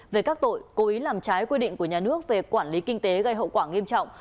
về các tội cố ý làm trái quy định của nhà nước về quản lý kinh tế gây hậu quả nghiêm trọng